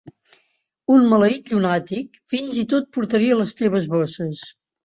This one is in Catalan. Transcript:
Un maleït llunàtic, fins i tot portaria les teves bosses.